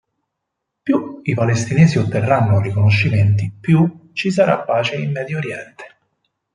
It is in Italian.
Più i palestinesi otterranno riconoscimenti, più ci sarà pace in Medio Oriente".